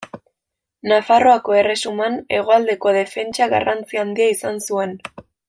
Nafarroako Erresuman hegoaldeko defentsa garrantzi handia izan zuen.